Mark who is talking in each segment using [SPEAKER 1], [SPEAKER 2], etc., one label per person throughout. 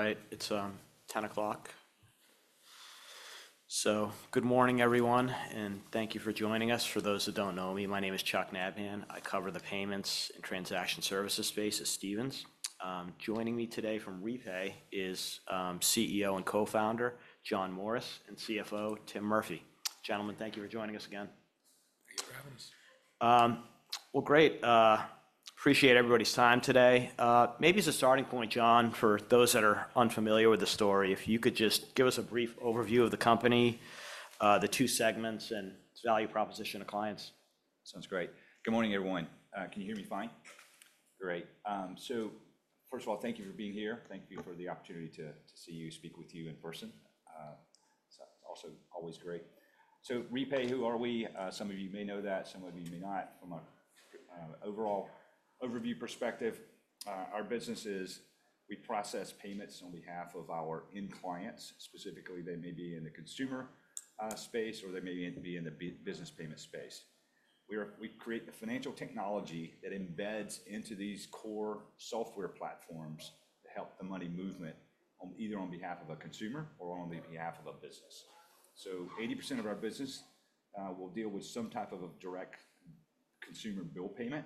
[SPEAKER 1] All right, it's 10:00 A.M. Good morning, everyone, and thank you for joining us. For those who don't know me, my name is Charles Nabhan. I cover the payments and transaction services space at Stephens. Joining me today from Repay is CEO and co-founder John Morris and CFO Tim Murphy. Gentlemen, thank you for joining us again.
[SPEAKER 2] Thank you for having us.
[SPEAKER 1] Great. Appreciate everybody's time today. Maybe as a starting point, John, for those that are unfamiliar with the story, if you could just give us a brief overview of the company, the two segments, and its value proposition to clients.
[SPEAKER 3] Sounds great. Good morning, everyone. Can you hear me fine? Great. So first of all, thank you for being here. Thank you for the opportunity to see you, speak with you in person. It's also always great. So Repay, who are we? Some of you may know that, some of you may not. From an overall overview perspective, our business is we process payments on behalf of our end clients. Specifically, they may be in the consumer space or they may be in the business payment space. We create the financial technology that embeds into these core software platforms to help the money movement either on behalf of a consumer or on the behalf of a business. So 80% of our business will deal with some type of direct consumer bill payment.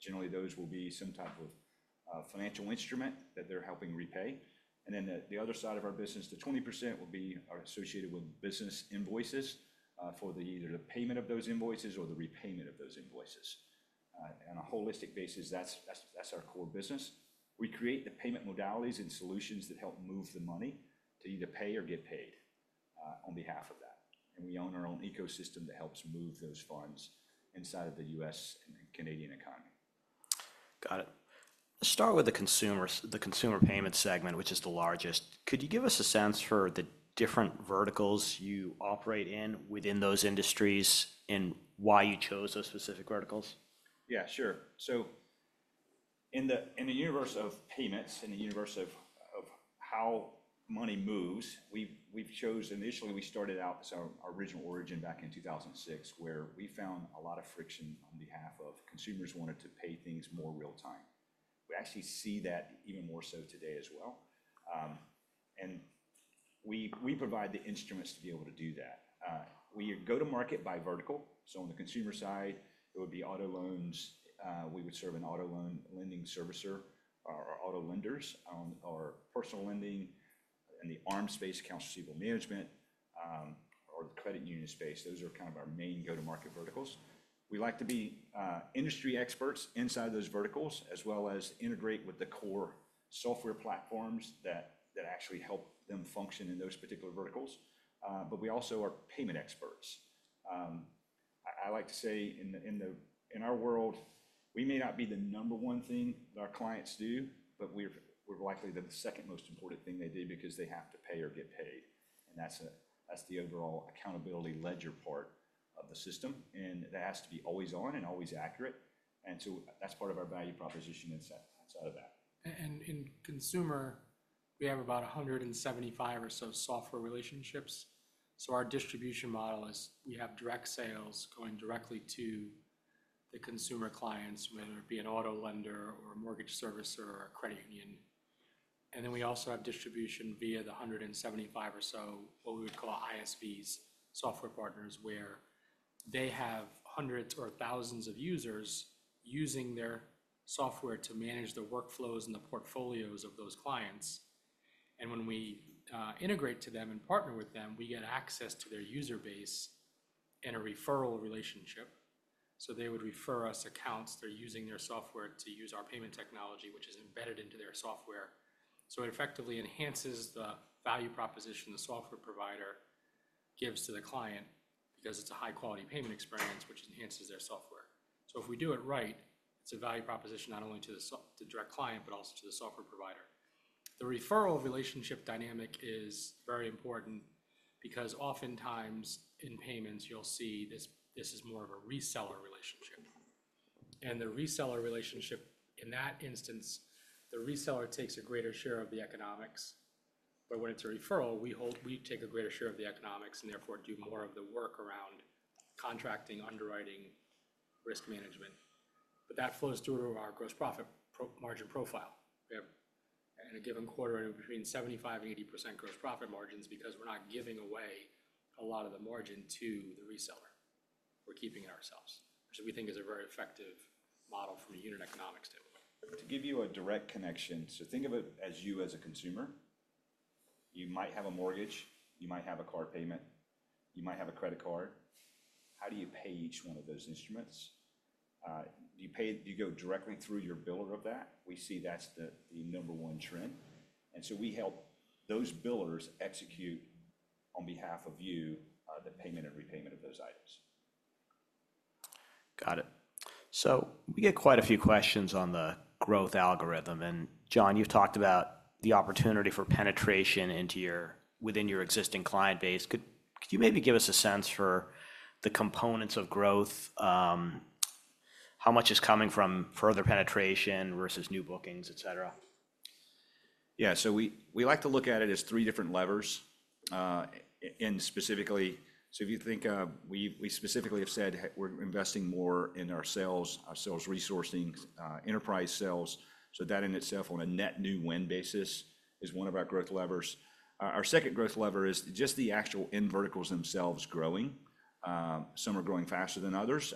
[SPEAKER 3] Generally, those will be some type of financial instrument that they're helping repay. And then the other side of our business, the 20%, will be associated with business invoices for either the payment of those invoices or the repayment of those invoices. On a holistic basis, that's our core business. We create the payment modalities and solutions that help move the money to either pay or get paid on behalf of that. And we own our own ecosystem that helps move those funds inside of the US and Canadian economy.
[SPEAKER 1] Got it. Let's start with the consumer payment segment, which is the largest. Could you give us a sense for the different verticals you operate in within those industries and why you chose those specific verticals?
[SPEAKER 3] Yeah, sure. So in the universe of payments, in the universe of how money moves, we've chosen. Initially we started out as our original origin back in 2006, where we found a lot of friction on behalf of consumers wanting to pay things more real-time. We actually see that even more so today as well. And we provide the instruments to be able to do that. We go to market by vertical. So on the consumer side, it would be auto loans. We would serve an auto lending servicer or auto lenders on our personal lending and the ARM space, accounts receivable management, or the credit union space. Those are kind of our main go-to-market verticals. We like to be industry experts inside those verticals as well as integrate with the core software platforms that actually help them function in those particular verticals. But we also are payment experts. I like to say in our world, we may not be the number one thing that our clients do, but we're likely the second most important thing they do because they have to pay or get paid. And that's the overall accountability ledger part of the system. And that has to be always on and always accurate. And so that's part of our value proposition inside of that.
[SPEAKER 2] And in consumer, we have about 175 or so software relationships. So our distribution model is we have direct sales going directly to the consumer clients, whether it be an auto lender or a mortgage servicer or a credit union. And then we also have distribution via the 175 or so, what we would call ISVs, software partners, where they have hundreds or thousands of users using their software to manage the workflows and the portfolios of those clients. And when we integrate to them and partner with them, we get access to their user base in a referral relationship. So they would refer us accounts. They're using their software to use our payment technology, which is embedded into their software. So it effectively enhances the value proposition the software provider gives to the client because it's a high-quality payment experience, which enhances their software. So if we do it right, it's a value proposition not only to the direct client, but also to the software provider. The referral relationship dynamic is very important because oftentimes in payments, you'll see this is more of a reseller relationship. And the reseller relationship, in that instance, the reseller takes a greater share of the economics. But when it's a referral, we take a greater share of the economics and therefore do more of the work around contracting, underwriting, risk management. But that flows through our gross profit margin profile. We have, in a given quarter, between 75%-80% gross profit margins because we're not giving away a lot of the margin to the reseller. We're keeping it ourselves, which we think is a very effective model from a unit economics standpoint.
[SPEAKER 3] To give you a direct connection, so think of it as you as a consumer. You might have a mortgage. You might have a car payment. You might have a credit card. How do you pay each one of those instruments? Do you go directly through your biller of that? We see that's the number one trend. And so we help those billers execute on behalf of you the payment and repayment of those items.
[SPEAKER 1] Got it. So we get quite a few questions on the growth algorithm. And John, you've talked about the opportunity for penetration within your existing client base. Could you maybe give us a sense for the components of growth? How much is coming from further penetration versus new bookings, et cetera?
[SPEAKER 3] Yeah. So we like to look at it as three different levers. And specifically, so if you think we specifically have said we're investing more in our sales, our sales resourcing, enterprise sales. So that in itself, on a net new win basis, is one of our growth levers. Our second growth lever is just the actual end verticals themselves growing. Some are growing faster than others.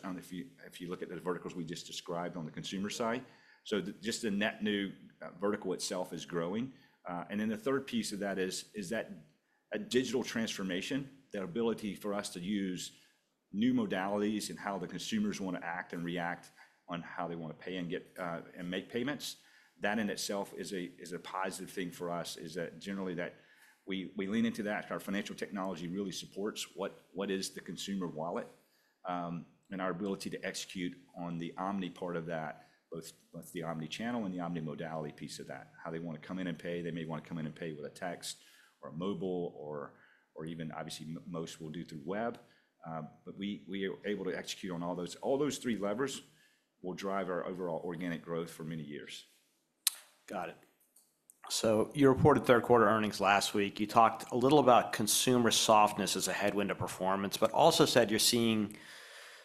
[SPEAKER 3] If you look at the verticals we just described on the consumer side, so just the net new vertical itself is growing. And then the third piece of that is that digital transformation, that ability for us to use new modalities and how the consumers want to act and react on how they want to pay and make payments. That in itself is a positive thing for us, is that generally that we lean into that. Our financial technology really supports what is the consumer wallet and our ability to execute on the omni part of that, both the omni channel and the omni modality piece of that. How they want to come in and pay. They may want to come in and pay with a text or a mobile or even, obviously, most will do through web. But we are able to execute on all those. All those three levers will drive our overall organic growth for many years.
[SPEAKER 1] Got it. So you reported third quarter earnings last week. You talked a little about consumer softness as a headwind to performance, but also said you're seeing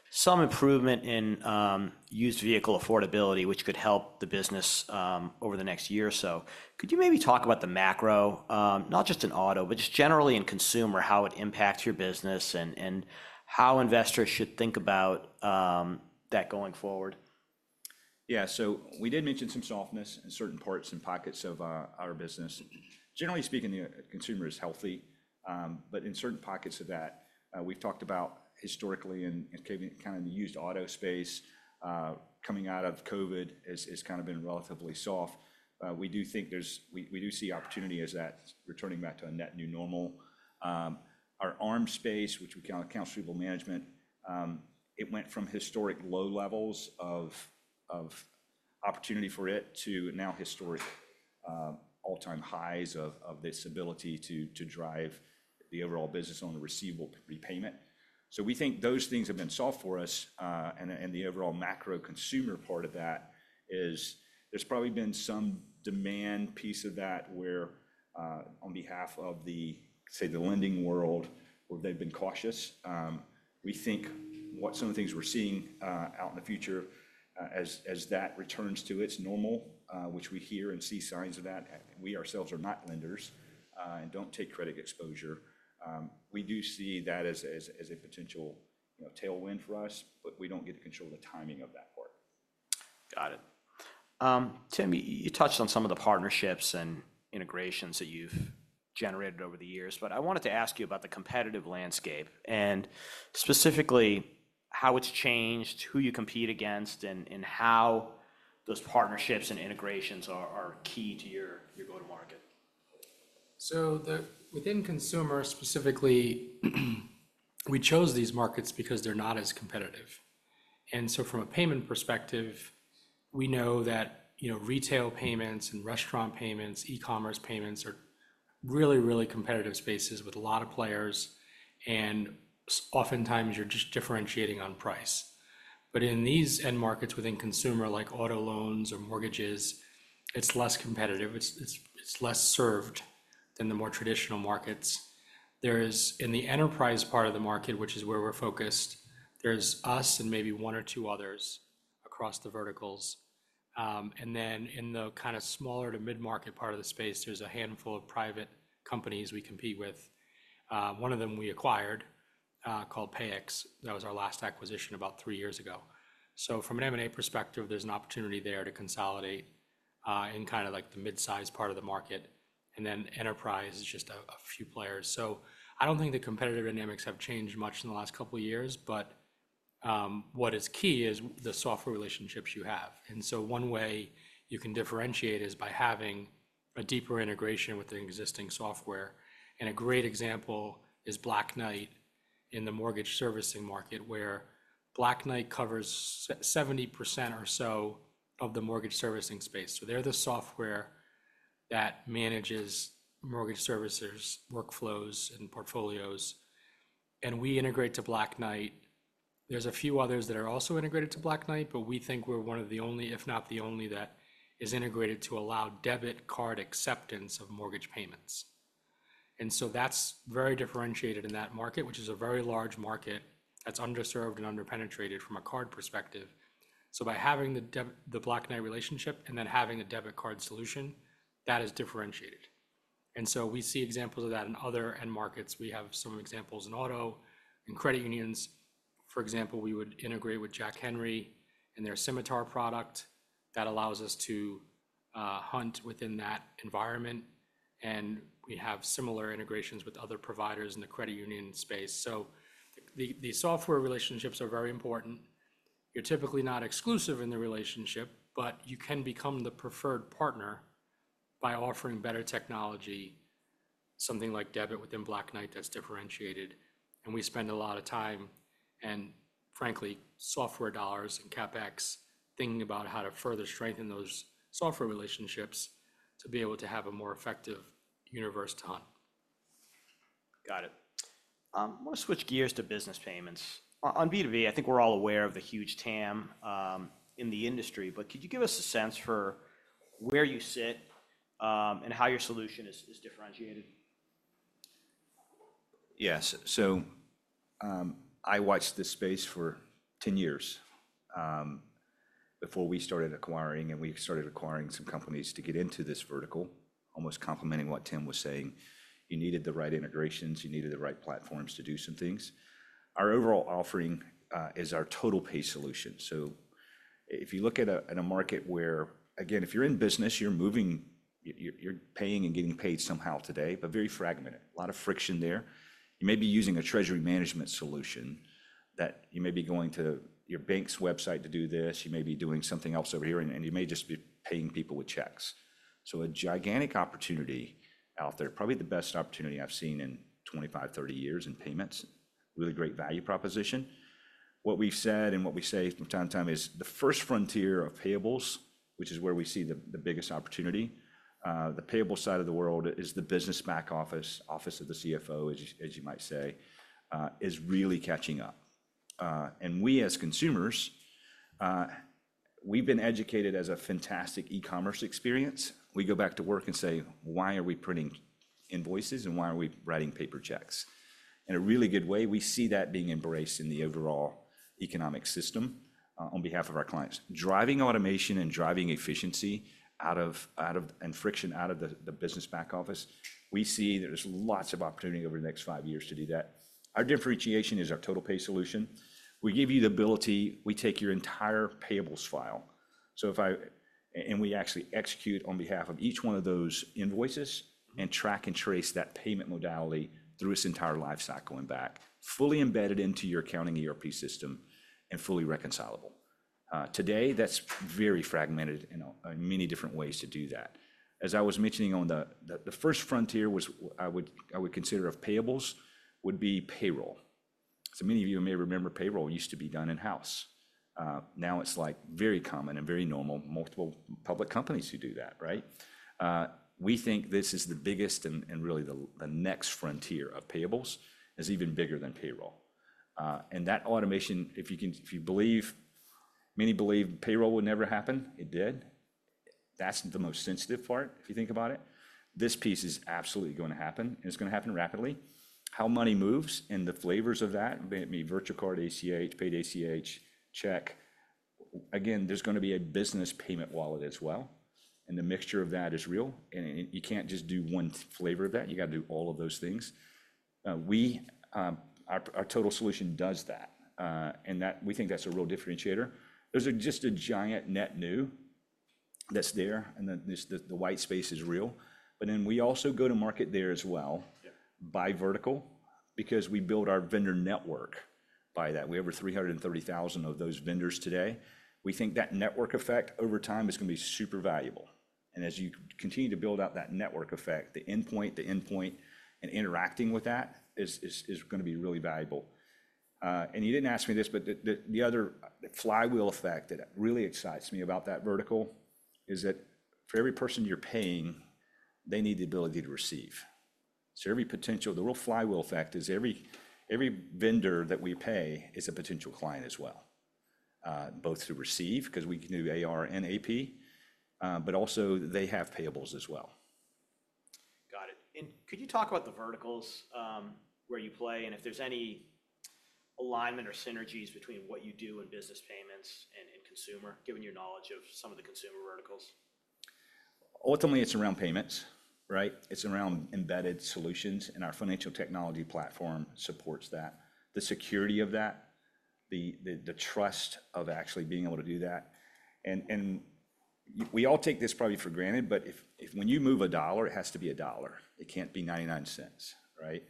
[SPEAKER 1] some improvement in used vehicle affordability, which could help the business over the next year or so. Could you maybe talk about the macro, not just in auto, but just generally in consumer, how it impacts your business and how investors should think about that going forward?
[SPEAKER 3] Yeah. So we did mention some softness in certain parts and pockets of our business. Generally speaking, the consumer is healthy. But in certain pockets of that, we've talked about historically in kind of the used auto space, coming out of COVID has kind of been relatively soft. We do see opportunity as that returning back to a net new normal. Our ARM space, which we call accounts receivable management, it went from historic low levels of opportunity for it to now historic all-time highs of this ability to drive the overall business on a receivable repayment. So we think those things have been soft for us. And the overall macro consumer part of that is there's probably been some demand piece of that where on behalf of the, say, the lending world, where they've been cautious. We think what some of the things we're seeing out in the future as that returns to its normal, which we hear and see signs of that. We ourselves are not lenders and don't take credit exposure. We do see that as a potential tailwind for us, but we don't get to control the timing of that part.
[SPEAKER 1] Got it. Tim, you touched on some of the partnerships and integrations that you've generated over the years, but I wanted to ask you about the competitive landscape and specifically how it's changed, who you compete against, and how those partnerships and integrations are key to your go-to-market.
[SPEAKER 2] So within consumer specifically, we chose these markets because they're not as competitive. And so from a payment perspective, we know that retail payments and restaurant payments, e-commerce payments are really, really competitive spaces with a lot of players. And oftentimes you're just differentiating on price. But in these end markets within consumer like auto loans or mortgages, it's less competitive. It's less served than the more traditional markets. There is, in the enterprise part of the market, which is where we're focused, there's us and maybe one or two others across the verticals. And then in the kind of smaller to mid-market part of the space, there's a handful of private companies we compete with. One of them we acquired called Payix. That was our last acquisition about three years ago. From an M&A perspective, there's an opportunity there to consolidate in kind of like the mid-sized part of the market, and then enterprise is just a few players. I don't think the competitive dynamics have changed much in the last couple of years, but what is key is the software relationships you have, and so one way you can differentiate is by having a deeper integration with the existing software. A great example is Black Knight in the mortgage servicing market, where Black Knight covers 70% or so of the mortgage servicing space. They're the software that manages mortgage servicers, workflows, and portfolios, and we integrate to Black Knight. There's a few others that are also integrated to Black Knight, but we think we're one of the only, if not the only, that is integrated to allow debit card acceptance of mortgage payments. And so that's very differentiated in that market, which is a very large market that's underserved and underpenetrated from a card perspective. So by having the Black Knight relationship and then having a debit card solution, that is differentiated. And so we see examples of that in other end markets. We have some examples in auto and credit unions. For example, we would integrate with Jack Henry and their Symitar product that allows us to hunt within that environment. And we have similar integrations with other providers in the credit union space. So the software relationships are very important. You're typically not exclusive in the relationship, but you can become the preferred partner by offering better technology, something like debit within Black Knight that's differentiated. We spend a lot of time and, frankly, software dollars and CapEx thinking about how to further strengthen those software relationships to be able to have a more effective universe to hunt.
[SPEAKER 1] Got it. I want to switch gears to business payments. On B2B, I think we're all aware of the huge TAM in the industry, but could you give us a sense for where you sit and how your solution is differentiated?
[SPEAKER 3] Yes. So I watched this space for 10 years before we started acquiring some companies to get into this vertical, almost complementing what Tim was saying. You needed the right integrations. You needed the right platforms to do some things. Our overall offering is our TotalPay solution. So if you look at a market where, again, if you're in business, you're moving, you're paying and getting paid somehow today, but very fragmented. A lot of friction there. You may be using a treasury management solution that you may be going to your bank's website to do this. You may be doing something else over here, and you may just be paying people with checks. So a gigantic opportunity out there, probably the best opportunity I've seen in 25-30 years in payments, really great value proposition. What we've said and what we say from time to time is the first frontier of payables, which is where we see the biggest opportunity. The payable side of the world is the business back office, office of the CFO, as you might say, is really catching up, and we as consumers, we've been educated as a fantastic e-commerce experience. We go back to work and say, "Why are we printing invoices and why are we writing paper checks?" In a really good way, we see that being embraced in the overall economic system on behalf of our clients. Driving automation and driving efficiency out of and friction out of the business back office, we see there's lots of opportunity over the next five years to do that. Our differentiation is our TotalPay solution. We give you the ability. We take your entire payables file. We actually execute on behalf of each one of those invoices and track and trace that payment modality through its entire lifecycle and back, fully embedded into your accounting ERP system and fully reconcilable. Today, that's very fragmented in many different ways to do that. As I was mentioning, the first frontier I would consider of payables would be payroll. So many of you may remember payroll used to be done in-house. Now it's like very common and very normal. Multiple public companies who do that, right? We think this is the biggest and really the next frontier of payables is even bigger than payroll. And that automation, if you believe many believe payroll would never happen, it did. That's the most sensitive part if you think about it. This piece is absolutely going to happen, and it's going to happen rapidly. How money moves and the flavors of that, maybe virtual card, ACH, Paid ACH, check. Again, there's going to be a business payment wallet as well. And the mixture of that is real. And you can't just do one flavor of that. You got to do all of those things. Our total solution does that. And we think that's a real differentiator. There's just a giant net new that's there, and then the white space is real. But then we also go to market there as well by vertical because we build our vendor network by that. We have over 330,000 of those vendors today. We think that network effect over time is going to be super valuable. And as you continue to build out that network effect, the endpoint and interacting with that is going to be really valuable. You didn't ask me this, but the other flywheel effect that really excites me about that vertical is that for every person you're paying, they need the ability to receive. So every potential, the real flywheel effect is every vendor that we pay is a potential client as well, both to receive because we can do AR and AP, but also they have payables as well.
[SPEAKER 1] Got it. And could you talk about the verticals where you play and if there's any alignment or synergies between what you do in business payments and consumer, given your knowledge of some of the consumer verticals?
[SPEAKER 3] Ultimately, it's around payments, right? It's around embedded solutions, and our financial technology platform supports that. The security of that, the trust of actually being able to do that. And we all take this probably for granted, but when you move a dollar, it has to be a dollar. It can't be 99 cents, right?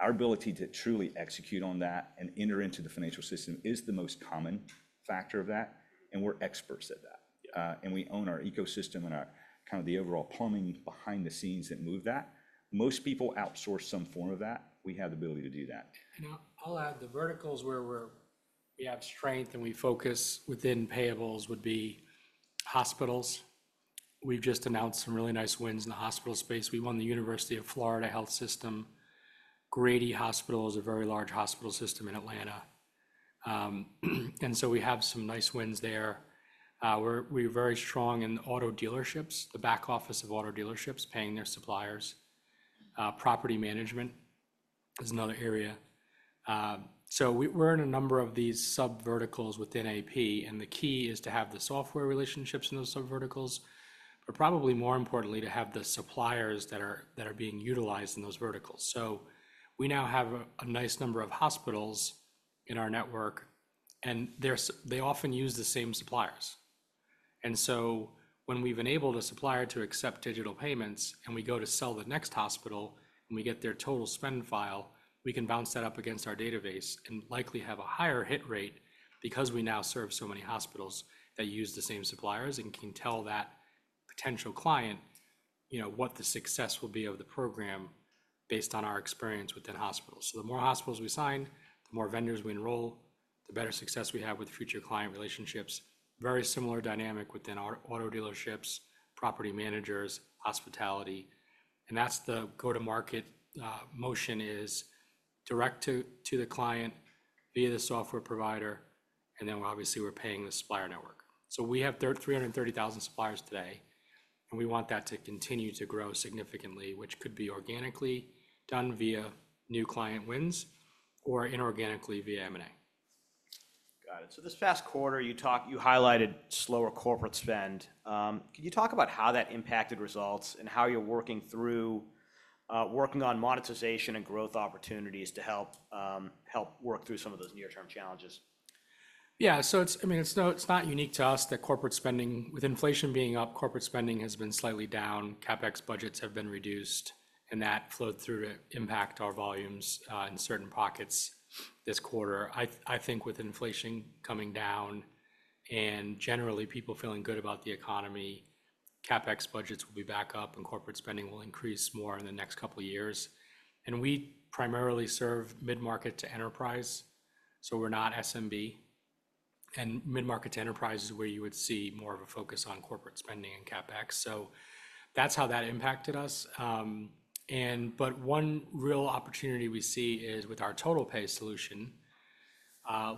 [SPEAKER 3] Our ability to truly execute on that and enter into the financial system is the most common factor of that. And we're experts at that. And we own our ecosystem and kind of the overall plumbing behind the scenes that move that. Most people outsource some form of that. We have the ability to do that.
[SPEAKER 2] I'll add the verticals where we have strength and we focus within payables would be hospitals. We've just announced some really nice wins in the hospital space. We won the University of Florida Health System. Grady Hospital is a very large hospital system in Atlanta. And so we have some nice wins there. We're very strong in auto dealerships, the back office of auto dealerships paying their suppliers. Property management is another area. So we're in a number of these sub-verticals within AP, and the key is to have the software relationships in those sub-verticals, but probably more importantly to have the suppliers that are being utilized in those verticals. So we now have a nice number of hospitals in our network, and they often use the same suppliers. And so when we've enabled a supplier to accept digital payments and we go to sell the next hospital and we get their total spend file, we can bounce that up against our database and likely have a higher hit rate because we now serve so many hospitals that use the same suppliers and can tell that potential client what the success will be of the program based on our experience within hospitals. So the more hospitals we sign, the more vendors we enroll, the better success we have with future client relationships. Very similar dynamic within auto dealerships, property managers, hospitality. And that's the go-to-market motion is direct to the client via the software provider, and then obviously we're paying the supplier network. So we have 330,000 suppliers today, and we want that to continue to grow significantly, which could be organically done via new client wins or inorganically via M&A.
[SPEAKER 1] Got it. So this past quarter, you highlighted slower corporate spend. Can you talk about how that impacted results and how you're working through working on monetization and growth opportunities to help work through some of those near-term challenges?
[SPEAKER 2] Yeah, so I mean, it's not unique to us that corporate spending, with inflation being up, corporate spending has been slightly down. CapEx budgets have been reduced, and that flowed through to impact our volumes in certain pockets this quarter. I think with inflation coming down and generally people feeling good about the economy, CapEx budgets will be back up and corporate spending will increase more in the next couple of years, and we primarily serve mid-market to enterprise, so we're not SMB, and mid-market to enterprise is where you would see more of a focus on corporate spending and CapEx, so that's how that impacted us, but one real opportunity we see is with our TotalPay solution,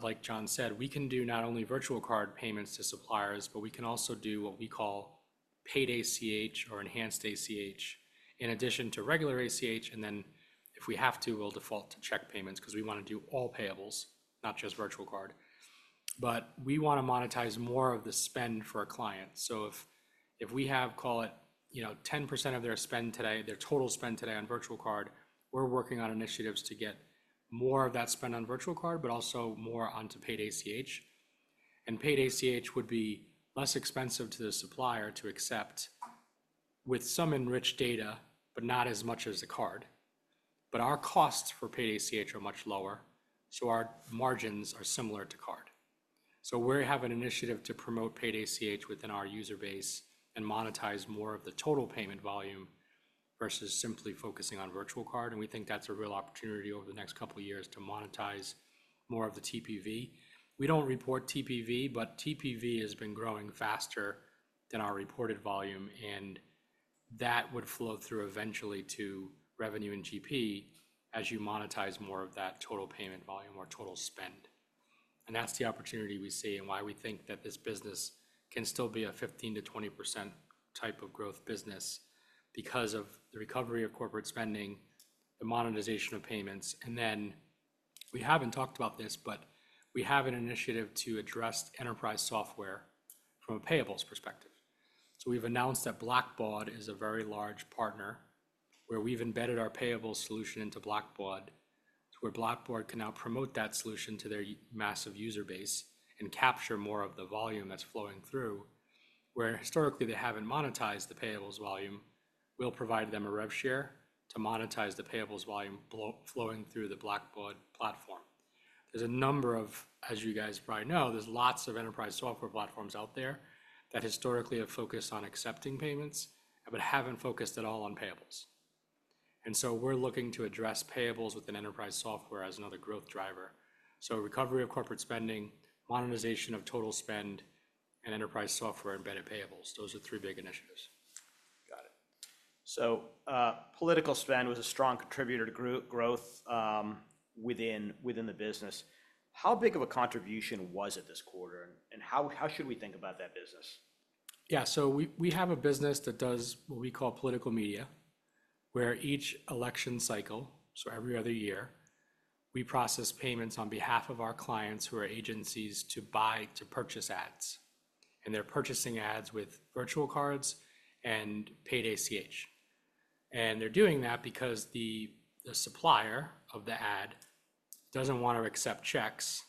[SPEAKER 2] like John said, we can do not only virtual card payments to suppliers, but we can also do what we call Paid ACH or enhanced ACH in addition to regular ACH. And then if we have to, we'll default to check payments because we want to do all payables, not just virtual card. But we want to monetize more of the spend for our clients. So if we have, call it, 10% of their spend today, their total spend today on virtual card, we're working on initiatives to get more of that spend on virtual card, but also more onto Paid ACH. And Paid ACH would be less expensive to the supplier to accept with some enriched data, but not as much as the card. But our costs for Paid ACH are much lower, so our margins are similar to card. So we have an initiative to promote Paid ACH within our user base and monetize more of the total payment volume versus simply focusing on virtual card. And we think that's a real opportunity over the next couple of years to monetize more of the TPV. We don't report TPV, but TPV has been growing faster than our reported volume, and that would flow through eventually to revenue and GP as you monetize more of that total payment volume or total spend. And that's the opportunity we see and why we think that this business can still be a 15%-20% type of growth business because of the recovery of corporate spending, the monetization of payments. And then we haven't talked about this, but we have an initiative to address enterprise software from a payables perspective. So we've announced that Blackbaud is a very large partner where we've embedded our payables solution into Blackbaud, where Blackbaud can now promote that solution to their massive user base and capture more of the volume that's flowing through where historically they haven't monetized the payables volume. We'll provide them a rev share to monetize the payables volume flowing through the Blackbaud platform. There's a number of, as you guys probably know, there's lots of enterprise software platforms out there that historically have focused on accepting payments but haven't focused at all on payables. And so we're looking to address payables within enterprise software as another growth driver. So recovery of corporate spending, monetization of total spend, and enterprise software embedded payables. Those are three big initiatives.
[SPEAKER 1] Got it. So political spend was a strong contributor to growth within the business. How big of a contribution was it this quarter, and how should we think about that business?
[SPEAKER 2] Yeah, so we have a business that does what we call political media, where each election cycle, so every other year, we process payments on behalf of our clients who are agencies to buy to purchase ads, and they're purchasing ads with virtual cards and Paid ACH, and they're doing that because the supplier of the ad doesn't want to accept checks,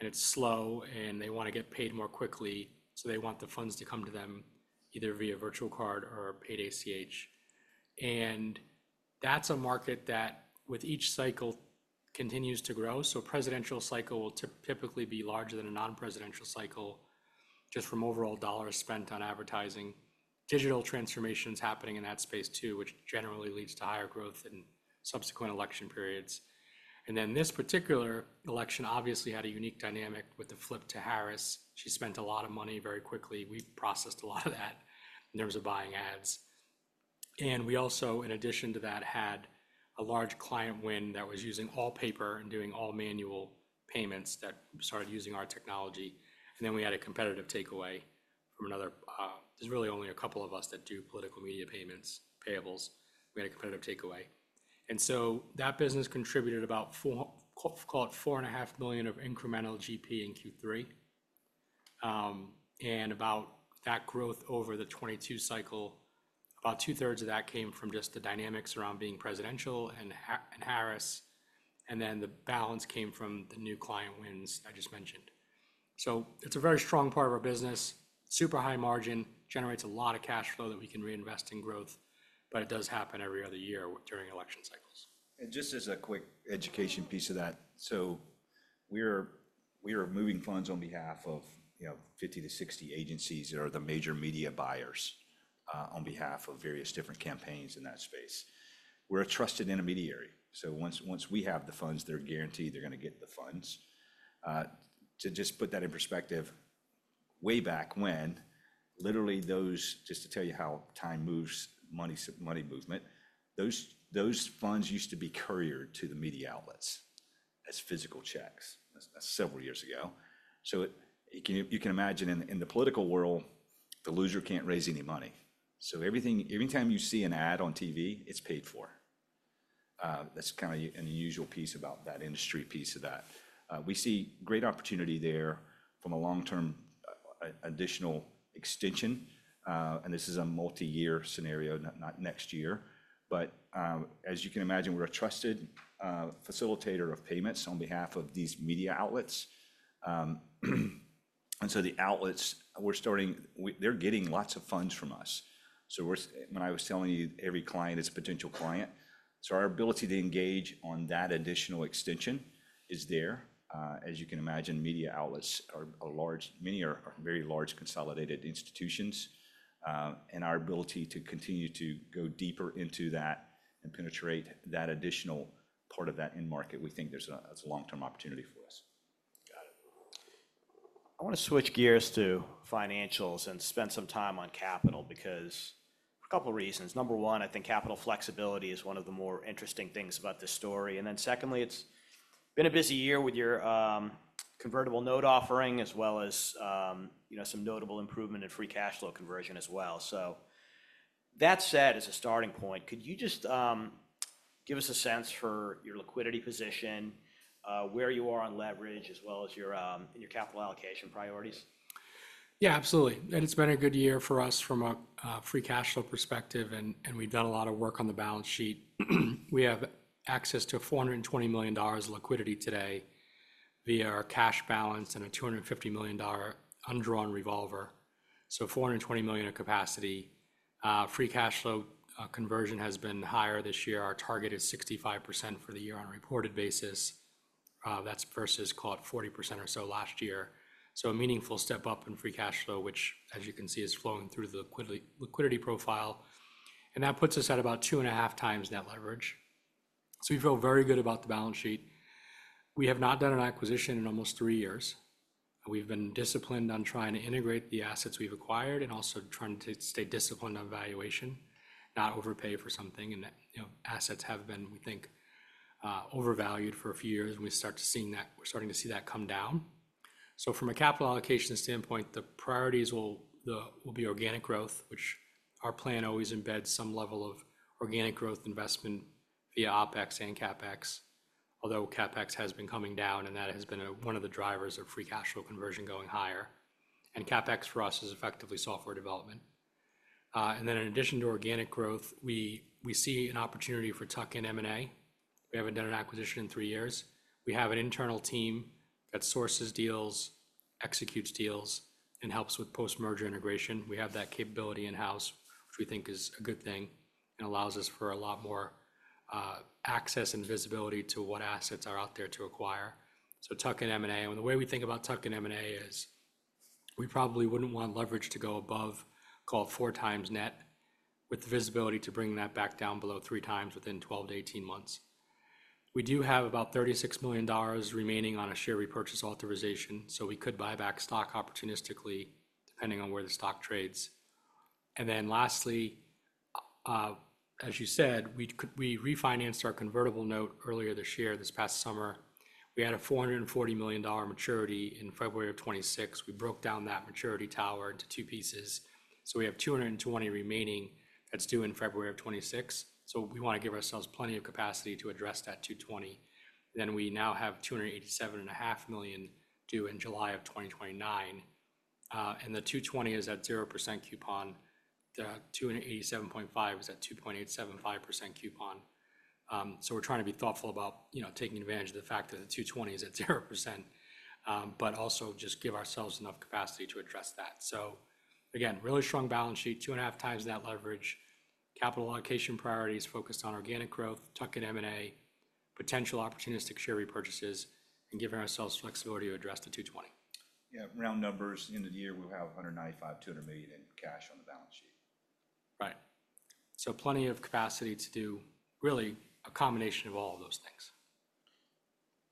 [SPEAKER 2] and it's slow, and they want to get paid more quickly, so they want the funds to come to them either via virtual card or Paid ACH, and that's a market that with each cycle continues to grow, so a presidential cycle will typically be larger than a non-presidential cycle just from overall dollars spent on advertising. Digital transformation is happening in that space too, which generally leads to higher growth in subsequent election periods. This particular election obviously had a unique dynamic with the flip to Harris. She spent a lot of money very quickly. We've processed a lot of that in terms of buying ads. We also, in addition to that, had a large client win that was using all paper and doing all manual payments that started using our technology. We had a competitive takeaway from another. There's really only a couple of us that do political media payments, payables. We had a competitive takeaway. That business contributed about, call it, $4.5 million of incremental GP in Q3. About that growth over the 2022 cycle, about two-thirds of that came from just the dynamics around being presidential and Harris. The balance came from the new client wins I just mentioned. So it's a very strong part of our business, super high margin, generates a lot of cash flow that we can reinvest in growth, but it does happen every other year during election cycles.
[SPEAKER 3] Just as a quick education piece of that, so we are moving funds on behalf of 50-60 agencies that are the major media buyers on behalf of various different campaigns in that space. We're a trusted intermediary. So once we have the funds, they're guaranteed they're going to get the funds. To just put that in perspective, way back when, literally those, just to tell you how time moves, money movement, those funds used to be couriered to the media outlets as physical checks several years ago. So you can imagine in the political world, the loser can't raise any money. So every time you see an ad on TV, it's paid for. That's kind of an unusual piece about that industry piece of that. We see great opportunity there from a long-term additional extension. And this is a multi-year scenario, not next year. But as you can imagine, we're a trusted facilitator of payments on behalf of these media outlets. And so the outlets, they're getting lots of funds from us. So when I was telling you every client is a potential client, so our ability to engage on that additional extension is there. As you can imagine, media outlets are a large, many are very large consolidated institutions. And our ability to continue to go deeper into that and penetrate that additional part of that in-market, we think there's a long-term opportunity for us.
[SPEAKER 1] Got it. I want to switch gears to financials and spend some time on capital because a couple of reasons. Number one, I think capital flexibility is one of the more interesting things about this story, and then secondly, it's been a busy year with your convertible note offering as well as some notable improvement in free cash flow conversion as well, so that said, as a starting point, could you just give us a sense for your liquidity position, where you are on leverage, as well as your capital allocation priorities?
[SPEAKER 2] Yeah, absolutely. And it's been a good year for us from a free cash flow perspective, and we've done a lot of work on the balance sheet. We have access to $420 million liquidity today via our cash balance and a $250 million undrawn revolver. So $420 million of capacity. Free cash flow conversion has been higher this year. Our target is 65% for the year on a reported basis. That's versus, call it, 40% or so last year. So a meaningful step up in free cash flow, which, as you can see, is flowing through the liquidity profile. And that puts us at about two and a half times net leverage. So we feel very good about the balance sheet. We have not done an acquisition in almost three years. We've been disciplined on trying to integrate the assets we've acquired and also trying to stay disciplined on valuation, not overpay for something. And assets have been, we think, overvalued for a few years, and we start to see that, we're starting to see that come down. So from a capital allocation standpoint, the priorities will be organic growth, which our plan always embeds some level of organic growth investment via OpEx and CapEx, although CapEx has been coming down, and that has been one of the drivers of free cash flow conversion going higher. And CapEx for us is effectively software development. And then in addition to organic growth, we see an opportunity for tuck-in M&A. We haven't done an acquisition in three years. We have an internal team that sources deals, executes deals, and helps with post-merger integration. We have that capability in-house, which we think is a good thing and allows us for a lot more access and visibility to what assets are out there to acquire. Tuck-in M&A. The way we think about tuck-in M&A is we probably wouldn't want leverage to go above, call it, four times net, with the visibility to bring that back down below three times within 12-18 months. We do have about $36 million remaining on a share repurchase authorization, so we could buy back stock opportunistically, depending on where the stock trades. Lastly, as you said, we refinanced our convertible note earlier this year, this past summer. We had a $440 million maturity in February of 2026. We broke down that maturity tower into two pieces. We have $220 million remaining that's due in February of 2026. So we want to give ourselves plenty of capacity to address that $220 million. Then we now have $287.5 million due in July of 2029. And the $220 million is at 0% coupon. The $287.5 million is at 2.875% coupon. So we're trying to be thoughtful about taking advantage of the fact that the $220 million is at 0%, but also just give ourselves enough capacity to address that. So again, really strong balance sheet, two and a half times net leverage, capital allocation priorities focused on organic growth, tuck-in M&A, potential opportunistic share repurchases, and giving ourselves flexibility to address the $220 million.
[SPEAKER 3] Yeah. Round numbers, end of the year, we'll have $195-200 million in cash on the balance sheet.
[SPEAKER 2] Right, so plenty of capacity to do really a combination of all of those things.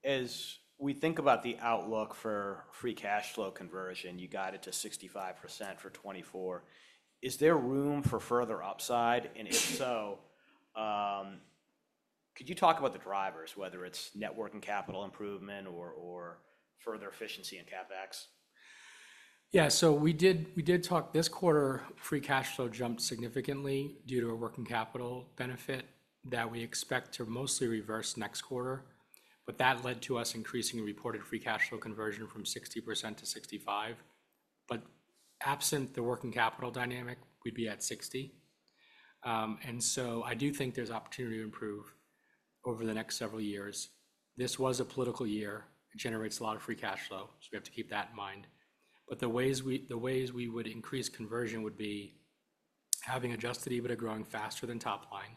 [SPEAKER 1] As we think about the outlook for free cash flow conversion, you got it to 65% for 2024. Is there room for further upside? And if so, could you talk about the drivers, whether it's network and capital improvement or further efficiency in CapEx?
[SPEAKER 2] Yeah. So we did talk this quarter, free cash flow jumped significantly due to a working capital benefit that we expect to mostly reverse next quarter. But that led to us increasing reported free cash flow conversion from 60%-65%. But absent the working capital dynamic, we'd be at 60%. And so I do think there's opportunity to improve over the next several years. This was a political year. It generates a lot of free cash flow, so we have to keep that in mind. But the ways we would increase conversion would be having adjusted EBITDA growing faster than top line,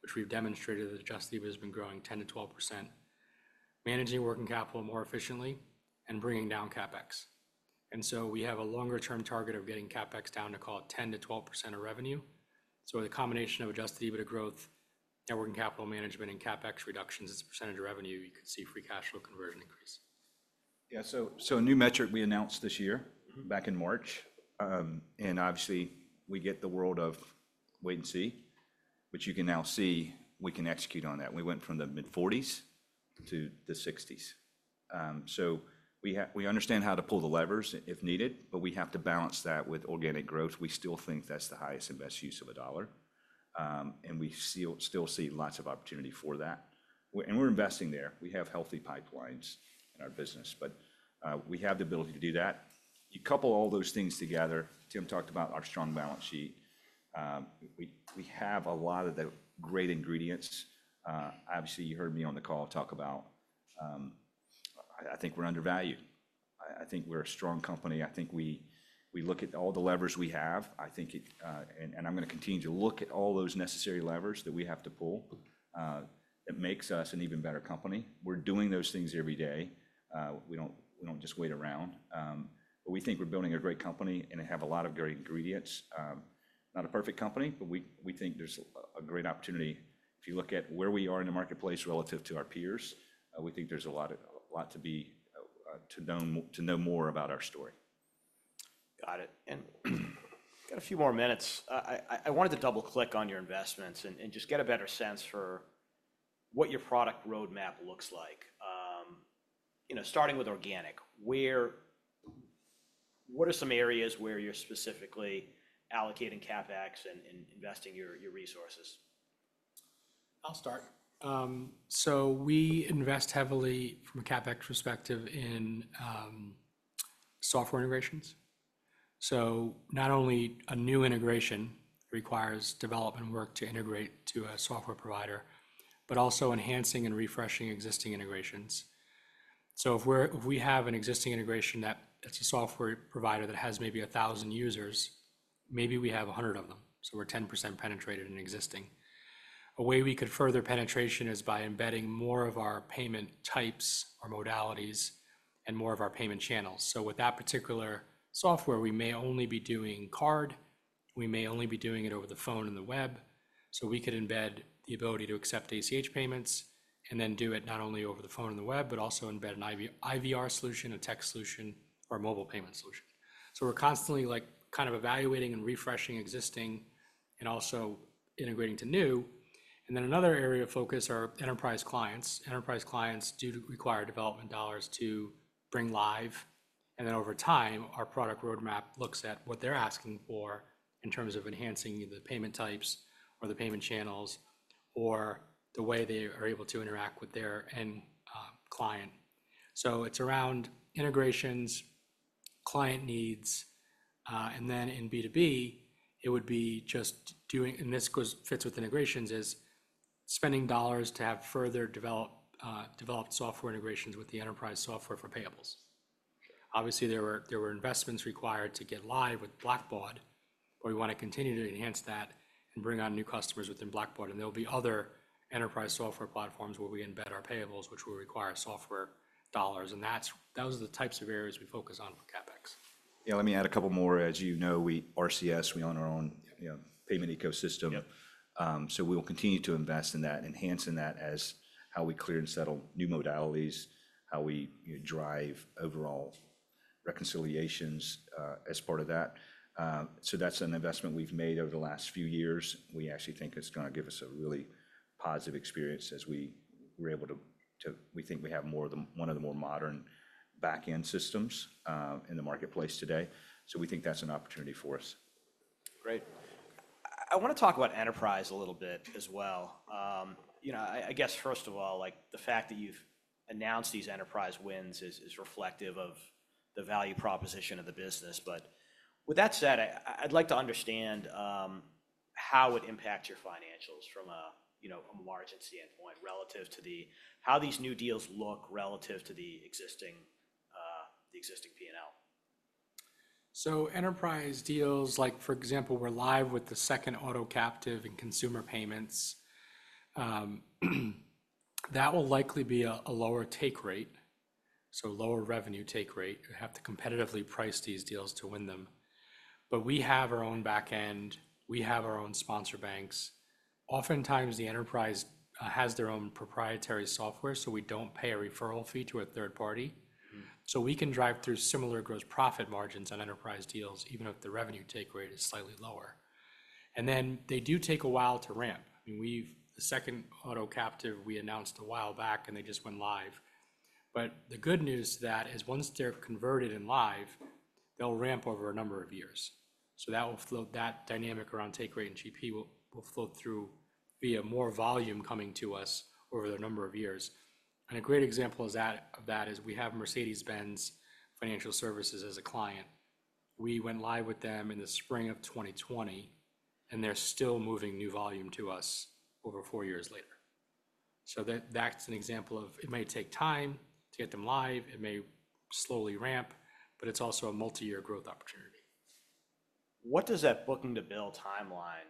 [SPEAKER 2] which we've demonstrated that adjusted EBITDA has been growing 10%-12%, managing working capital more efficiently, and bringing down CapEx. And so we have a longer-term target of getting CapEx down to, call it, 10%-12% of revenue. So with a combination of adjusted EBITDA growth, working capital management, and CapEx reductions as a percentage of revenue, you could see free cash flow conversion increase.
[SPEAKER 3] Yeah. So a new metric we announced this year back in March. And obviously, we get the world of wait and see, which you can now see we can execute on that. We went from the mid-40s to the 60s. So we understand how to pull the levers if needed, but we have to balance that with organic growth. We still think that's the highest and best use of a dollar. And we still see lots of opportunity for that. And we're investing there. We have healthy pipelines in our business, but we have the ability to do that. You couple all those things together. Tim talked about our strong balance sheet. We have a lot of the great ingredients. Obviously, you heard me on the call talk about, I think we're undervalued. I think we're a strong company. I think we look at all the levers we have. I think, and I'm going to continue to look at all those necessary levers that we have to pull that makes us an even better company. We're doing those things every day. We don't just wait around. But we think we're building a great company and have a lot of great ingredients. Not a perfect company, but we think there's a great opportunity. If you look at where we are in the marketplace relative to our peers, we think there's a lot to know more about our story.
[SPEAKER 1] Got it. And we've got a few more minutes. I wanted to double-click on your investments and just get a better sense for what your product roadmap looks like. Starting with organic, what are some areas where you're specifically allocating CapEx and investing your resources?
[SPEAKER 2] I'll start. So we invest heavily from a CapEx perspective in software integrations. So not only a new integration requires development work to integrate to a software provider, but also enhancing and refreshing existing integrations. So if we have an existing integration that's a software provider that has maybe 1,000 users, maybe we have 100 of them. So we're 10% penetrated in existing. A way we could further penetration is by embedding more of our payment types or modalities and more of our payment channels. So with that particular software, we may only be doing card. We may only be doing it over the phone and the web. So we could embed the ability to accept ACH payments and then do it not only over the phone and the web, but also embed an IVR solution, a tech solution, or a mobile payment solution. So we're constantly kind of evaluating and refreshing existing and also integrating to new. And then another area of focus are enterprise clients. Enterprise clients do require development dollars to bring live. And then over time, our product roadmap looks at what they're asking for in terms of enhancing the payment types or the payment channels or the way they are able to interact with their end client. So it's around integrations, client needs. And then in B2B, it would be just doing, and this fits with integrations, is spending dollars to have further developed software integrations with the enterprise software for payables. Obviously, there were investments required to get live with Blackbaud, but we want to continue to enhance that and bring on new customers within Blackbaud. And there will be other enterprise software platforms where we embed our payables, which will require software dollars. Those are the types of areas we focus on for CapEx.
[SPEAKER 3] Yeah. Let me add a couple more. As you know, we RCS, we own our own payment ecosystem. So we will continue to invest in that, enhancing that as how we clear and settle new modalities, how we drive overall reconciliations as part of that. So that's an investment we've made over the last few years. We actually think it's going to give us a really positive experience as we were able to, we think we have one of the more modern back-end systems in the marketplace today. So we think that's an opportunity for us.
[SPEAKER 1] Great. I want to talk about enterprise a little bit as well. I guess, first of all, the fact that you've announced these enterprise wins is reflective of the value proposition of the business. But with that said, I'd like to understand how it impacts your financials from a margin standpoint relative to how these new deals look relative to the existing P&L.
[SPEAKER 2] So enterprise deals, like for example, we're live with the second auto captive and consumer payments. That will likely be a lower take rate, so lower revenue take rate. You have to competitively price these deals to win them. But we have our own back-end. We have our own sponsor banks. Oftentimes, the enterprise has their own proprietary software, so we don't pay a referral fee to a third party. So we can drive through similar gross profit margins on enterprise deals, even if the revenue take rate is slightly lower. And then they do take a while to ramp. I mean, the second auto captive, we announced a while back, and they just went live. But the good news is that once they're converted and live, they'll ramp over a number of years. That dynamic around take rate and GP will flow through via more volume coming to us over the number of years. A great example of that is we have Mercedes-Benz Financial Services as a client. We went live with them in the spring of 2020, and they're still moving new volume to us over four years later. That's an example of it may take time to get them live. It may slowly ramp, but it's also a multi-year growth opportunity.
[SPEAKER 1] What does that booking to bill timeline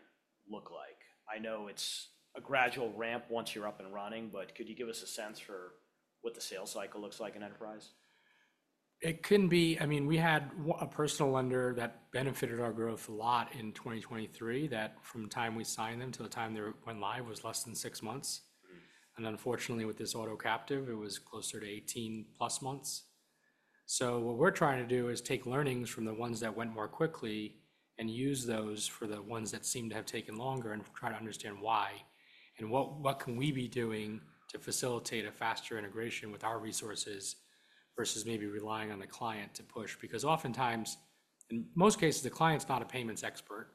[SPEAKER 1] look like? I know it's a gradual ramp once you're up and running, but could you give us a sense for what the sales cycle looks like in enterprise?
[SPEAKER 2] It can be, I mean, we had a personal lender that benefited our growth a lot in 2023. That, from the time we signed them to the time they went live, was less than six months. And unfortunately, with this auto captive, it was closer to 18-plus months. So what we're trying to do is take learnings from the ones that went more quickly and use those for the ones that seem to have taken longer and try to understand why. And what can we be doing to facilitate a faster integration with our resources versus maybe relying on the client to push? Because oftentimes, in most cases, the client's not a payments expert.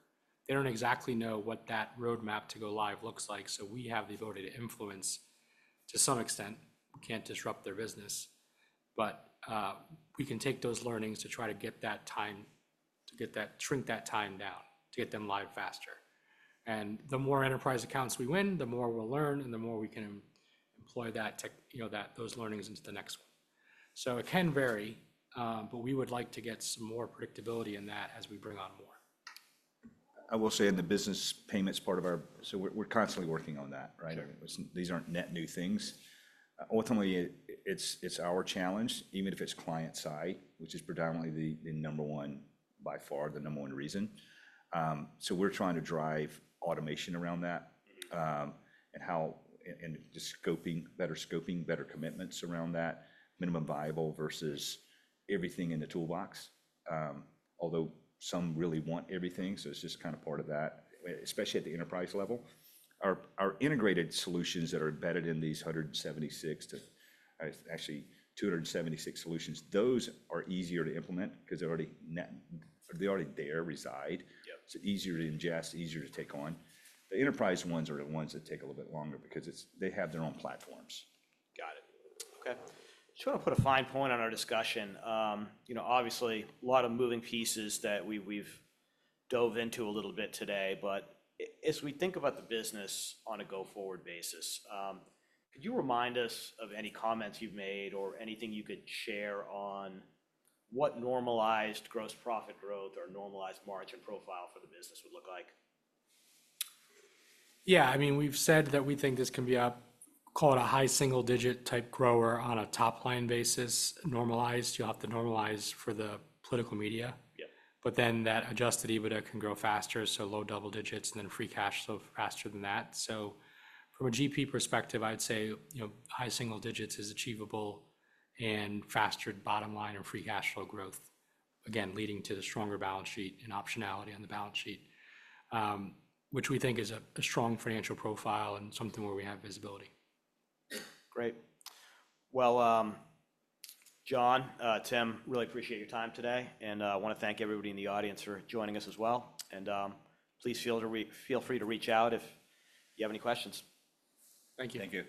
[SPEAKER 2] They don't exactly know what that roadmap to go live looks like. So we have the ability to influence to some extent. We can't disrupt their business. But we can take those learnings to try to get that time, to shrink that time down, to get them live faster. And the more enterprise accounts we win, the more we'll learn and the more we can employ those learnings into the next one. So it can vary, but we would like to get some more predictability in that as we bring on more.
[SPEAKER 3] I will say in the business payments part of our, so we're constantly working on that, right? These aren't net new things. Ultimately, it's our challenge, even if it's client-side, which is predominantly the number one, by far the number one reason. So we're trying to drive automation around that and just scoping, better scoping, better commitments around that, minimum viable versus everything in the toolbox. Although some really want everything, so it's just kind of part of that, especially at the enterprise level. Our integrated solutions that are embedded in these 176 to actually 276 solutions, those are easier to implement because they're already there, reside. It's easier to ingest, easier to take on. The enterprise ones are the ones that take a little bit longer because they have their own platforms. Got it.
[SPEAKER 1] Okay. I just want to put a fine point on our discussion. Obviously, a lot of moving pieces that we've dove into a little bit today. But as we think about the business on a go-forward basis, could you remind us of any comments you've made or anything you could share on what normalized gross profit growth or normalized margin profile for the business would look like?
[SPEAKER 2] Yeah. I mean, we've said that we think this can be a, call it a high single-digit type grower on a top line basis. Normalized, you have to normalize for the political media. But then that adjusted EBITDA can grow faster, so low double digits and then free cash flow faster than that. So from a GP perspective, I'd say high single digits is achievable and faster bottom line and free cash flow growth, again, leading to the stronger balance sheet and optionality on the balance sheet, which we think is a strong financial profile and something where we have visibility.
[SPEAKER 1] Great. Well, John, Tim, really appreciate your time today. And I want to thank everybody in the audience for joining us as well. And please feel free to reach out if you have any questions.
[SPEAKER 3] Thank you. Thank you.